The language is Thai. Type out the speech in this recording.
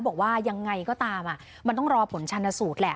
บอกว่ายังไงก็ตามมันต้องรอผลชนสูตรแหละ